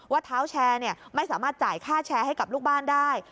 เท้าแชร์ไม่สามารถจ่ายค่าแชร์ให้กับลูกบ้านได้